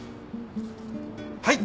はい。